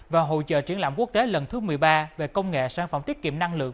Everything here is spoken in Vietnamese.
và hỗ trợ triển lãm quốc tế lần thứ một mươi ba về công nghệ sản phẩm tiết kiệm năng lượng